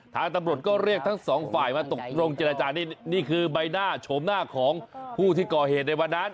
ทางตำรวจก็เรียกทั้งสองฝ่ายมาตกลงเจรจานี่นี่คือใบหน้าโฉมหน้าของผู้ที่ก่อเหตุในวันนั้น